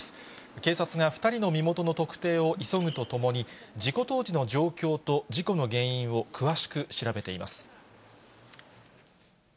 警察が２人の身元の特定を急ぐとともに、事故当時の状況と事故の原因を詳しく調べています。